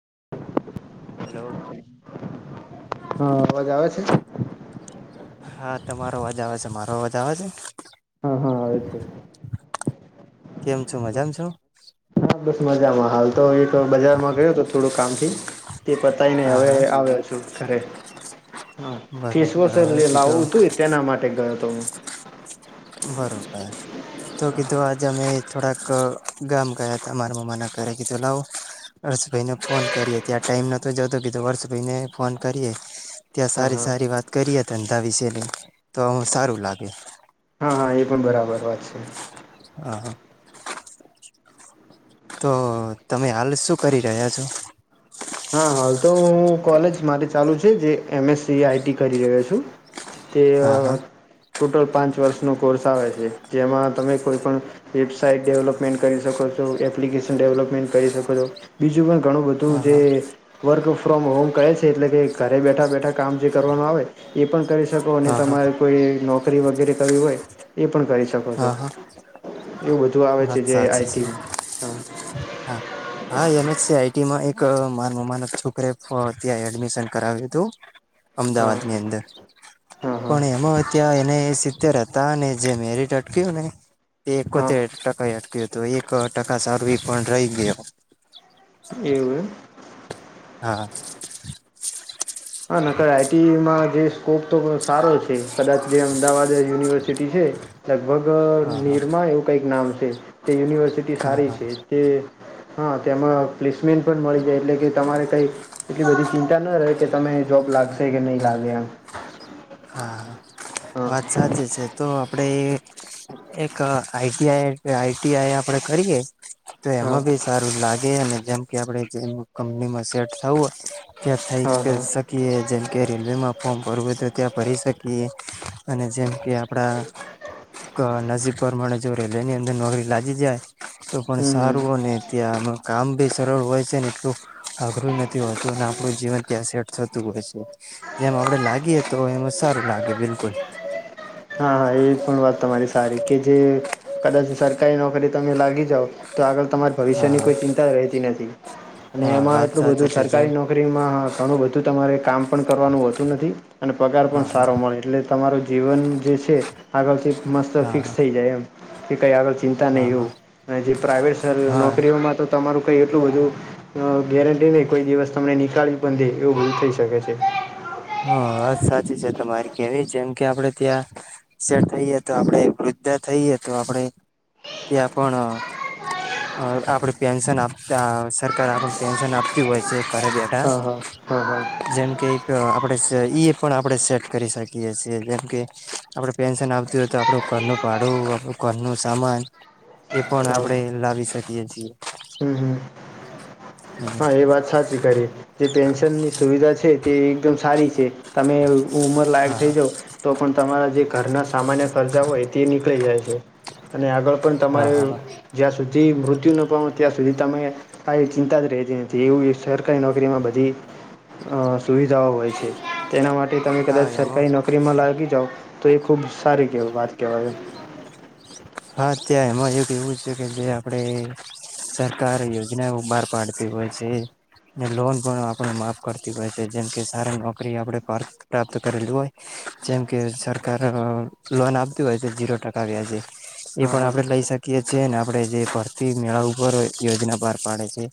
[inaudible] Hello, હા અવાજ આવે છે. હા તમારો અવાજ આવે છે. મારો અવાજ આવે છે. હા હા આવે છે. કેમ છું મજામાં છું. હા બસ મજામાં હાલ તો બજારમાં ગયો તો થોડું કામથી તે પતાય ને હા હવે હા આવ્યો છું ઘરે હા ફેસવોશ બરોબર લે કીધું લાવવું હતું તેના માટે ગયો હતો. હું, બરોબર તો કીધું આજે અમે થોડાક ગામ ગયા હતા મારા મામાના ઘરે કીધું લાવ હર્ષભાઈને ફોન કરીએ ત્યાં ટાઈમ નહોતો જતો કીધું હર્ષભાઈને ફોન કરીએ ત્યાં હા સારી હા. સારી વાત કરીએ ધંધા વિશે લઈ તો અુ સારું લાગે હા હા એ પણ બરાબર વાત છે હા હા તો તમે હાલ શું કરી રહ્યા છો હા હાલ તો હું કોલેજ મારે ચાલુ છે જે એમએસસી આઈટી કરી રહ્યો છું [unintelligible] હા હા ટોટલ પાંચ વર્ષનો કોર્સ આવે છે જેમાં તમે કોઈપણ વેબસાાઈટ ડેવલપમેન્ટ કરી શકો છો એપ્લિકેશન ડેવલપમેન્ટ કરી શકો છો બીજું પણ ઘણું બધું હા હા જે વર્ક ફ્રોમ હોમ કહે છે એટલે કે ઘરે બેઠા બેઠા કામ જે કરવાનું આવે એ પણ કરી શકો હા હા તમારે કોઈ નો વગેરે કરવી હોય એ પણ કરી શકો છો હા હા એવું બધું આવે છે વાત જે સાચી છે આઈટીમાં માં એક મારા મમા ના છોકરે ત્યાં એડમિશન કરાવ્યું હતું હા અમદાવાદની અંદર હા હા પણ એમાં ત્યાં એને એ સિત્તેર હતા અનેને જે મેરિટ કોને હા એતે ટકા એ તો એક ટકા સારુ એ પણ રહી ગયો એવું હા હા નકર આઈટીમાં જે સ્કોપ તો સારો છે કદાચ જે અમદાવાદ યુનિવર્સિટી છેઅ લગ ભગ હા હા નિરમા એવું કઈક નામ છે જ તે યુનિવર્સિટી હા સારી હા છે તે હા તેમાં પ્લેસમેન્ટ પણ મળી જાય એટલે કે તમારે કઈ એટલી બધી ચિંતા ન રહે કે તમે જૉબ લાગશે કે ન લાગે હન હા હા વાત સાચી છે તો આપણેે એક આઈટીઆઈ આઈટીઆઈ આપણે કરીએ તો હા એમાં બી સારું લાગે અને જેમ કે આપણે જેમ કંપનીમાં સેટ થવું હોય [unintelligible] હા હા કેજન્ટ કે રેલવેમાં ફોમ ભરત ત્યાં ફરી શકીએ અને જેમ કે આપણા નજીક પરમાણે જો રેલી ની અંદર નોકરી લાગી જાય તો પણ હમ હમ સારું અને ત્યાં કામ બી સરળ હોય છેને એટલું અઘરું નથી હોતું અને આપણું જીવન ત્યાં સેટ થતું હોય છે જેમ આપણે લાગીએ તો એમાં સારું લાગે બિલકુલ હા હા એ પણ વાત તમારી સારી કે જે કદાચ સરકારી નોકરી તમે લાગી જાઓ તો આગળ તમારા હા ભવિષ્યની હા કોઈ ચિંતા રહેતી નથી. અને હા એમાં વાત એટલું સાચી બધું છે જેમ સરકારી નોકરીમાં હ ઘણું બધું તમારે કામ પણ કરવાનું હોતું નથી અને પગાર હા પણ હા સારો મળે એટલે જ તમારું જીવન જે છે આગળથી મસ્ત હા હા ફિક્સ થઈ જાય એમ કઈ આગળ ચિંતા નહીં હા એવું અને જે પ્રાઇવેટ હા નોકરીઓમાં તો તમારું ઈ એટલું બધું ગેરંટી નહી કોઈ દિવસ તમને નનીળવી બ દે એવું બધું થઈ શકે છે હ સાચી છે તમારી કેવી જેમ કે આપડે ત્યાંે થઈએ તો આપણે વૃદ્ધા થઈએ તો આપણે ત્યાં પણ આપણે પેન્શન આપ સરકાર આપ પેન્શન આપતી હોય છે ઘરે બેઠા હા હા હા હા જેમકે આપણે એ પણ આપણે સેટ કરી શકીએ છીએ જેમ કે આપણે પેન્શન આવતીું હોય તો આપણું ઘરનું ભાડું આપણું ઘરનું સામાન એ પણ હા આપણે લાવી શકીએ છીએ હમ હમ એ વાત સાચી કરી જે પેન્શન ની સુવિધા છે તે એકમ સ છે તમે ઉમર લાયક હા થઈ જાાવ તો પણ તમારા જે ઘરના સામાન્ય ખર્ચા હોય તે નીકળી જાય છે અને આગળ પણ હા તમારે હા જ્યાં સુધી મૃત્ય દી નપઉં ત્યા સુધી તમે હા ચિંતે એ જેું સરકારી નોકરીમાં બધી સુવિધાઓ હોય છે તેના માટે તમે હા કદાચ એમાં સરકારી નોકરીમાં લાગી જાઓ તો એક ખૂબ સારી કે વાત કહેવાય. ત એમાં એક એવું છે, કે જે આપણે સરકાર યોજનાઓ બહાર પાડતી હોય છે. ને લોન પણ આપણે માફ કરતી હોય છે. જેમ કે, સારી નોકરી આપણે પર પ્રાપ્ત કરેલી હોય જેમ કે સરકાર લોન આપતી હોય છે. ઝીરો ટકા વ્યાજે, એ હા પણ હા આપડે લઈ શકીએ છીએ, ને આપ આપણે જે ભરતી મેળા ઉપર યોજના બહાર પાડે છે.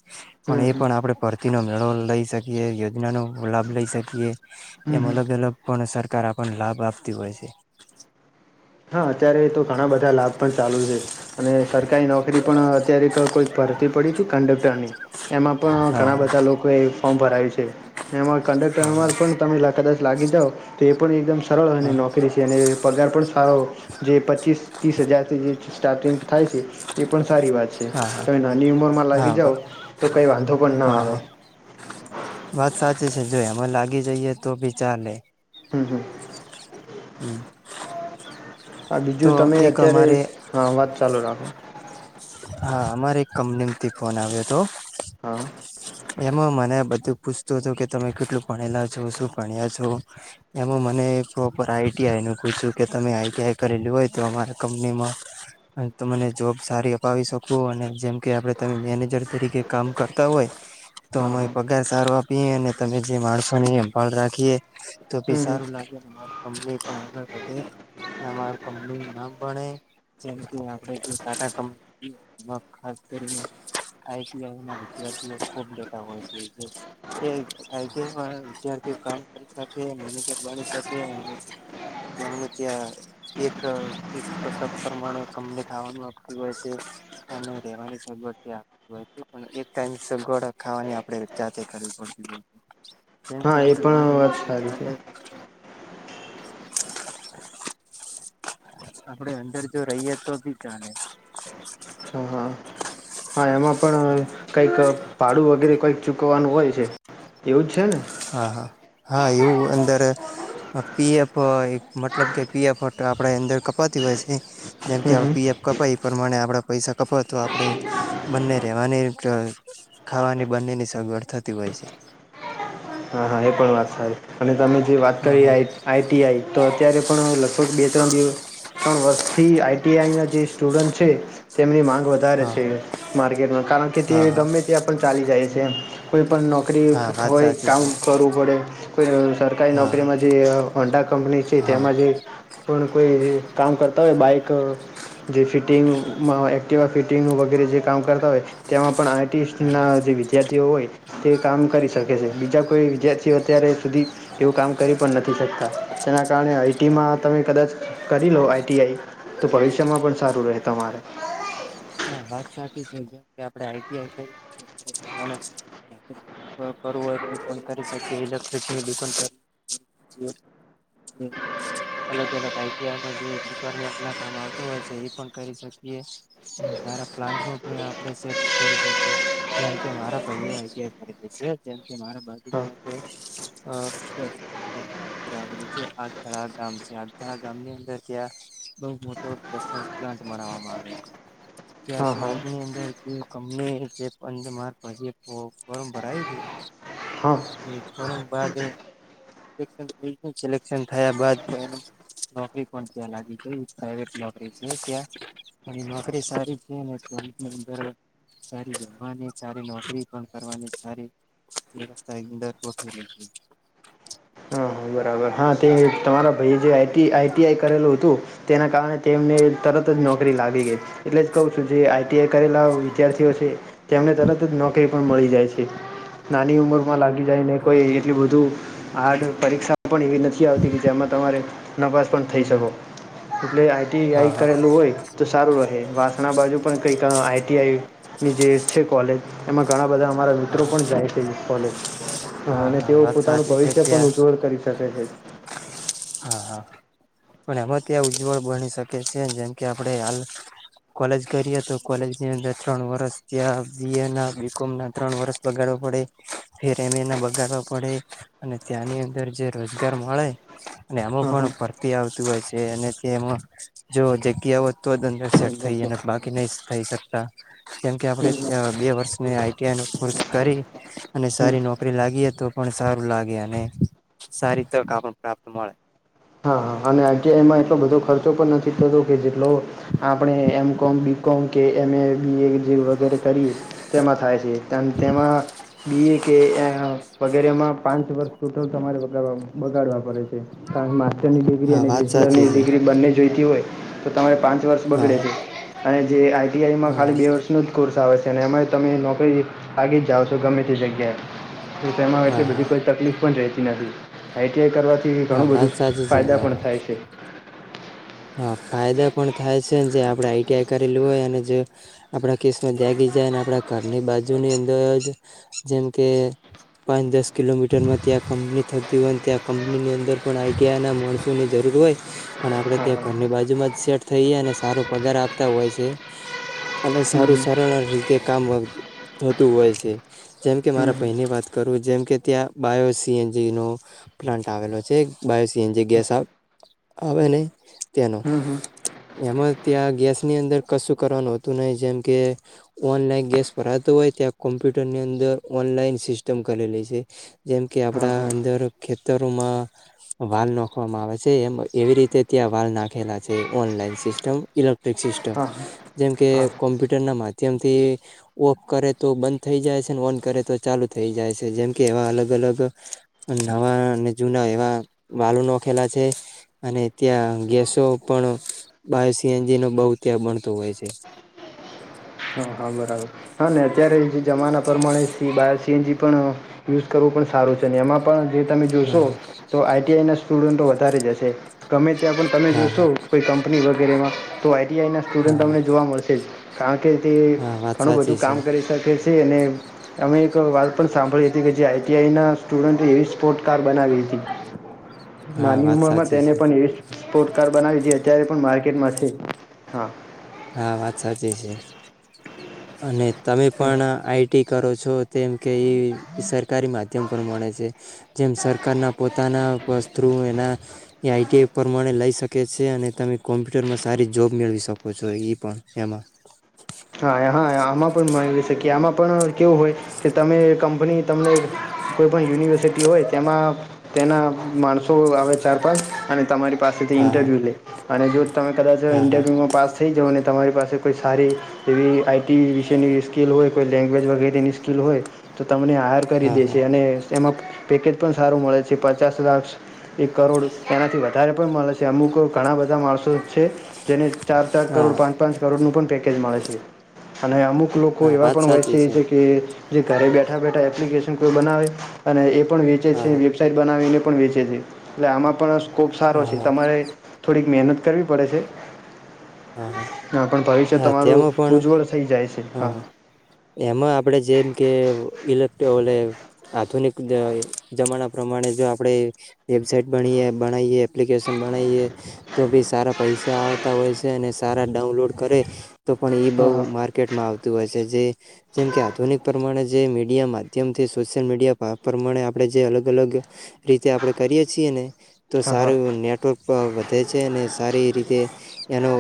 પણ હમ એ હમ પણ આપડે ભરતી ન લઈ શકીએ યોજનાનો લાભ લઈ શકીએ. હમ હમ એમાંલગેલો કોણ સરાર સરકારા પણ લાભ આપતી હોય છે હા અત્યારે તો ઘણા બધા લાભ પણ ચાલુ છે અને સરકારી નોકરી પણ અત્યારે કોઈ ભરતી પડી હતી કંડક્ટરની એમાં પણ હા ઘણા હા બધા લોકોએ ફોર્મ ભરાયું છે. એમાં હા હા કંડક્ટરમાં પણ તમે લ કદ લાગી જાઓ તો એ પણ એકદમ સરળ અને હા નોકરી છે અને પગાર પણ સો જે પચીસ ત્રીસ હજારથી જે છે સ્ટાર્ટિંગ થાય છે એ પણ સારી વાત છે હા હા. તમે નાની ઉમરમાં લાગી હા જાઓ તો કઈ વાંધો પણ ના હા આવે હા વાત સાચી છે જો એમાં લાગી જઈએ તો બી ચાલે હમ હમ હમ હ બીજું તમે અત્યારે હા વાત ચાલુ રાખો હા અમારે એક કંપની થી ફોન આવ્યો હતો હા એમ મને બધું પૂછતું હતું કે તમે કેટલું ભણેલા છો શું ભણ્યા છો એમાં મને પ્રોપર આઈટીઆઈ નું પૂછ્યું કે તમે આઈટીઆઈ કરેલું હોય તો અમારા કંપનીમાં મને જોબ સારી ાવી શકું અને જેમ કે આપડ તમે મેનેજર તરીકે કામ કરતા હોય તો હા અમા હા પગાર સારવાર આપી અને તમે જે માણસોને અભાળ રાખીએ તો ભી હમ હમ સારું લાગે અરી કંપની પણ આગળ વધે અને અમાર કંપની નું નામ ભણે જે આપડકા ને આઈટીઆઈ ના વિદ્યાર્થીઓ ખૂબ બેતાા હોય છે આઈઆ વિદ્યાર્થીામ કરી મેજર તેમનું ત્યાં એક પ્રમાણે કપની થવાનું આપતું હોય છે અને રહેેવાની સગવડ આપ હોય છે પણ એક ટાઈમ સગવડ ખાવાની આપડે જાતે કરવી પડતી હોય હા જેમથી એ આપડે બહાર પણ રઈએ વાત તો સારી છે ચાલે આપડે અંદર જો રહીએ તો બી કાને હ હા હા એમાં પણ કઈક ભાડું વગેરે કઈક ચૂકવાનું હોય છે એવું જ છે ને હા હા હા એવું અંદર પીએફ મતલબ કે પીએફ આપણે અંદર કપાતી હોય છે જેમ કે હમ હમ પીએફ ક પાઈપ પ્રમાણે આપણા પૈસા કપો તો આપણે બંને રેવાની ખાવાની બંનેની સગવડ થતી હોય છે હા [inaudible] હા એ પણ વાત સા અને તમે જે વાત હા કરીએ આ હા. આઈટીઆઈ તો અત્યારે પણ લ લગભ બે ત્રણ દિવ ત્રણ વર્ષથી આઈટીઆઈના જે સ્ટુડન્ટ છે તેમની માંગ વધારે હા છે હા. માર્કેટમાં કારણ કે તે હા હા ગમે ત્યાં પણ ચાલી જાય છે કોઈ પણ નોકરી હા વાત હોય સાચી કામ છે કરવું પડે કો સરકારી હા નોકરીમાં જે ઓંડા કંપની છે હા તેમાં જે પણ કોઈ કામ કરતા હોય બાઈક જે ફિટિંગમાં એક્ટિવા ફિટિંગનું વગેરે જે કામ કરતા હોય તેમાં પણ હા હા આર્ટિસ્ટના જે વિદ્યાર્થીઓ હોય તે કામ કરી શકે છે હા બીજા વિદ્યાર્થીઓ અત્યારે સુધી એવું કામ કર પણ નથી [unintelligible] કાલે હા આઈટીમાં તમે કદાચ કરી લો આઈટીઆઈ [inaudible] એમાં પણ સારું રહે તમારે [unintelligible] હા [unintelligible] હા હા હા [unintelligible] સારી છેની અંદર સારી રહેવાની સારી નોકરી પણ કરવાની સારી વ્યવસ્થાની અંદર હા હા બરાબર હા તે તમારા ભાઈ જે આઈટીઆઈ કરેલું હતું તેના કારણે તેમને તરત જ નોકરી લાગી ગઈ એટલે જ કહું છું જે આ ટીએ કરેલા વિદ્યાર્થીઓ છે તેમને તરત નોકરી પણ મળી જાય છે નાની ઉંમરમાં લાગી જાયને કોઈ એટલી બધું હાડ પરીક્ષા પણ એવી નથી આવતી કે જેમાં તમારે નપાસ પણ થઈ શકો. પ્લે આઈટીઆઈ હા હા કરેલું હોય તો સારું રહે વાસણા બાજુ પણ કંઈક આઈટીઆઈની જે છે કોલેજ એમાં ઘણા બધા અમારા હા મિત્રો હા. પણ જાય છે કોલેજ હા અને હા તેઓ વાત પોતાનું સાચી છે ભવિષ્ય પણ ત્યાં ઉજ્જવળ કરી [unintelligible] હા હા પણ એમાં ત્યાં ઉજ્જવળ બણી શકે છે જેમ કે આપણે હાલ કોલેજ કરીએ તો કોલેજની અંદર ત્રણ વર્ષ ત્યાં બી એ ના બી કોમ ના ત્રણ વરષ બગાડવા પડે ફેર એમ એ ના બગાડવા પડે અને ત્યાંની અંદર જે રોજગાર મળે અને એમાં હા હા પણ પરરતી આવતું હોય છે અને તેમાં જો જગ્યા હોત તો જ અંદર સેટ થઈ અને બાકી નહી થઈ શકતા કેમ કે આપડે બે વર્ષ આઈટીઆઈ ન કોર્સ કરી અને હમ સારી નોકરી લાગીએ તો પણ સારું લાગે અને સારી તક આપણ પ્રાપ્ત મળે હા હ અને આઇટીઆઇ એમાં એટલો બધો ખર્ચો પણ નથી થતો કે જેટલો આપણે એમ કોમ બીકોમ કે એમ એ બી એ જે વગેરે કરી તેમાં થાય છે તેમાં બી એ કે વગેરેમાં પાંચ વર્ષ સુત્ત તમારે બગાડવા પડે છે [unintelligible] [unintelligible] હા વાત સાચી બેચલરની છે ડિગ્રી બંને જોઈએ હોય તો તમારે પ વર્ષ હા બગડે હા છે અને જે આઈ આઈ ટી આઈ માં હા હા ખાલી બે વર્ષનો જ કોર્સ આવે છે અને એ તમે નોકરી લાગીજ જાાવ છો ગમે તે જગ્યાએ તેમાં હા હા બધી કોઈ તકલીફ પણ રહે નવી આઈટીઆઈ કરવાથી હા ઘણું વાત બધું સાચી છે ફાયદા હા પણ થાય છે હા ફાયદા પણ થાય છેને જે આપણે આઈટીઆઈ કરેલીું હોય અને જે આપણા કેસમાં જાગી જાય અને આપણા ઘરની બાજુની અંદર જ જેમ કે પાંચ દસ કિલોમીટરમાં ત્યાં કંપની થતી હોય ત્યાં કંપનીની અંદર પણ આઈટીઆઈ ના માણસોની જરૂર હોય પણ આપણે હા ત્યાં હા ઘરની બાજુમાં જ સેટ થઈએ અને સારો પગાર આપતા હોય છે અને હમ સારું હમ સરળ રીતે કામ થતું હોય છે જેમ કે મારા હમ પહેની વાત કરું જેમકે ત્યાં બાયો સીએનજીનો પ્લાન્ટ આવેલો છે બાયો સીએનજી ગેસ આવે નને તેનો હમ હમ એમાં ત્યાં ગેસની અંદર કશું કરવાનુંતું નહ જેમ કે ઓનલાઈન ગેસ ભરાતોું હોય ત્યાં કોમ્પ્યુટર ની અંદર ઓનલાઈન સિસ્ટમ કરેલી છે જેમ કે હા આપડા હા અંદર ખેતરોમાં વાલ નાખવામાં આવે છે એમ એવી રીતે ત્યાં વાળ નાખેલા છે ઓનલાઈન સિસ્ટમ ઇલેક્ટ્રિક સિસ્ટમ હા જેમકે હા કોમ્પ્યુટરના માધ્યમથી ઓફ કરે તો બંધ થઈ જાય છે ઓન કરે તો ચાલુ થઈ જાય છે જેમકે એવા અલગ-અલગ નવા અને જૂના એવા વાલો નાખેલા છે અને ત્યાં ગેસ પણ બ સીએનજી નો બહ ત્યાં બણતો હોય છે. હા હા બરાબર હા ને અત્યારે જે જમાના પ્રમાણે સી બાયર સીએનજી પણ યુઝ કરવું પણ સારું છે ને એમાં પણ જે તમે જોશો હા તો આઈટીઆઈ ના સ્ટુડન્ટ વધારે જશે ગમે તે ત્યાં પણ તમે હા હા જોશો હા કોઈ કંપની વગ ગેરેમાં તો આ આઈટીઆઈના હા સ્ટુડન્ટ હા તમને જોવા મળશે જ કારણ કે તે હા વાત ઘણું બધું સાચી છે કામ કરી શકે છે. અમે એક વાત પણ સાંભળી હતી કે જે આઈઆઈ ના સ્ટુડન્ટ એવી સ્પોર્ટ કાર બનાવી હતી. હા નાની વાત ઉંમર માં સાચી તેને છે પણ એ સ્પોર્ટ્સ કાર બનાવી છે અત્યારે પણ માર્કેટમાં છે હા. હા વાત સાચી છે અને તમે હમ પણ આઈટી કરો છો તેમ કે એ સરકારી માધ્યમ પર મળણે છે જેમ સરકારના પોતાના વ થ્રુ એના આઈટી પ્રમાણે લઈ શકે છે અને તમે કોમ્પ્યુટરમાં સારી જોબ મેળવી શકો પછો એ પણ એમાં. હા હા આમાં પણ મા શકીએ આમાં પણ કેવું હોય કે તમે કંપની તમને કોઈ પણણ યુનિવર્સિટી હોય તેમાં તેના માણસો આવે ચાર પાંચ અને તમારી હા પાસેથીઇન્ટરવ્યૂ લે અને જો તમે કદાચ હા હા ઇન્ટરવ્યુ માં પાસ થઈ જાવ તમારી પાસે કોઈ સારી એવી આઈટી વિશેની સ્કિલ હોય કોઈ લેંગ્વેજ વગેરેની સ્કિલ હોય તો તમને આહાર કરી હા હા દે હા છે અને એમાં પેકેજ પણ સારું મળે છે પચાસ લાખ એક કરોડ તેનાથી વધારે પણ મળે છે અમુક ઘણા બધા માણસો છે જેને ચાર ચાર હા કરોડ પાંચ પાંચ કરોડનુંું પણ પેકેજ મળે છે. અને અમુક ક લોકો હા એવા વાત પણ હોય સાચી છે જે કે જે ઘરે બેઠા બેઠા એપ્લિકેશન કોઈ બનાવે અને એ પણ વેચે હા છે હા વેબસાઇટ બનાવીને પણ વેચે છે એટલે આમાં પણ ખુબ સારો છે હા તમારે થોડી મહેનત કરવી પડે છે. હા પણ ભવિષ્ય તમારું હ ઉજ્જવળ થઈ જાય છે હા હ એમાં આપણેે જે કે ઇલેક્ટ ઓલે આધુનિક જમાના પ્રમાણે જો આપણે વેબસાાઈટણીએ બનાવીએ એપ્લિકેશન બનાવીએ તો બી સારા પૈસા આવતા હોય છે અને સારા ડાઉનલોડ કરે તો પણ હા બઉુ હા માર્કેટમાં આવ હોય જે જેમકે આધુનિક પ્રમાણે જે મીડિયા માધ્યમથી સોશિયલ મીડિયા પ્રમાણે આપણે જે અલગ અલગ રીતે આપણે કરીય છીએ ને તો હા હા સારું નેટવર્ક વધે છે અને સારી રીતે એનો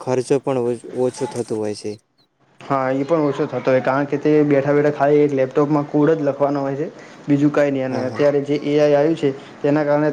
ખર્ચો પણ ઓછો થતો હોય છે હા એ પણ ઓછો થતો હોય કારણ કે તે બેઠા બેઠા ખાલી એક લેપટોપમાં કુળ જ લખવાનો હોય છે બીજું કઈ ન હા હા અત્યારે જે આવ્યું છે તેના કારણે